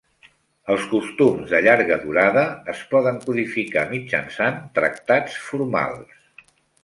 Els costums de llarga durada es poden codificar mitjançant tractats formals.